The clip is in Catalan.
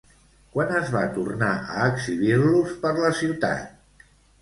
Quan es va tornar a exhibir-los per la ciutat?